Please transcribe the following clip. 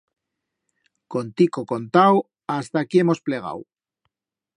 Contico contau, hasta aquí hemos plegau.